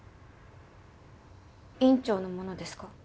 院長のものですか？